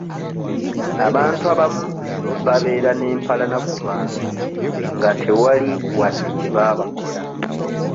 Abantu abamu babeera n'empalana ku bantu nga tewali wadde kye baabakola.